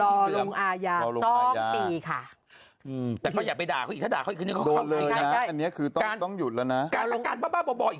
ไม่มีการต้องขึ้นสารแล้ว